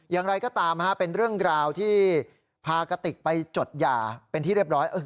อย่างไรก็ตามเป็นเรื่องราวที่พากติกไปจดหย่าเป็นที่เรียบร้อย